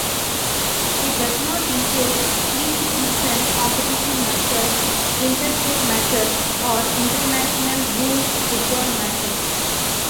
It does not include pre-season competition matches, interstate matches or international rules football matches.